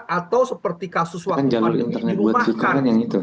atau seperti kasus waktu paling ini di rumahkan